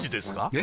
え？